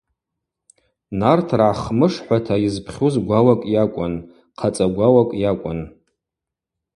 Нартыргӏа Хмышхӏвата йызпхьуз гвауакӏ йакӏвын, хъацӏа гвауакӏ йакӏвын.